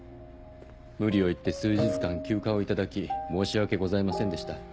無理を言って数日間休暇を頂き申し訳ございませんでした。